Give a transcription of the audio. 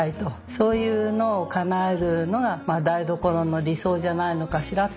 そういうのをかなえるのが台所の理想じゃないのかしらと。